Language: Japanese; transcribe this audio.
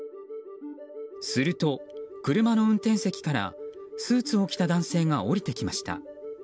すると、車の運転席からスーツを着た男性が降りてきました。